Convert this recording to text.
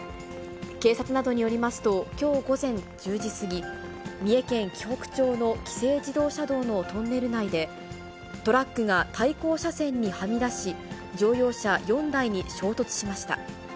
警察などによりますと、きょう午前１０時過ぎ、三重県紀北町の紀勢自動車道のトンネル内で、トラックが対向車線にはみ出し、乗用車４台に衝突しました。